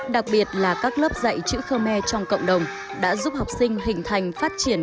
đặc biệt là các lớp dạy chữ khơ me trong cộng đồng đã giúp học sinh hình thành phát triển